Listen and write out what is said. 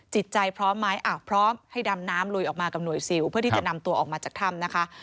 จิตใจพร้อมไหมพร้อมให้ดำน้ำลุยออกมากับหน่วยซิลเพื่อที่จะนำตัวออกมาจากถ้ำนะคะ